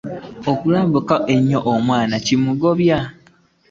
Okukubaakuba ennyo omwana kimugubya.